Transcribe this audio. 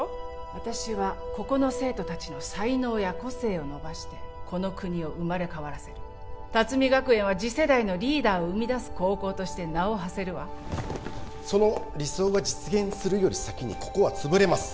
私はここの生徒達の才能や個性を伸ばしてこの国を生まれ変わらせる龍海学園は次世代のリーダーを生み出す高校として名をはせるわその理想が実現するより先にここは潰れます